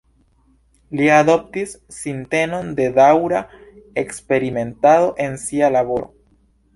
Li adoptis sintenon de daŭra eksperimentado en sia laboro.